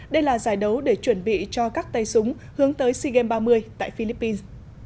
đây là giải đấu để chuẩn bị cho các tay súng hướng tới sea games ba mươi tại philippines